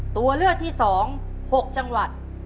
ตัวเลือกที่๒๖จังหวัด